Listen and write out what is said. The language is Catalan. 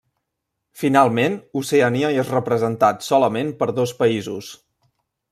Finalment, Oceania és representat solament per dos països.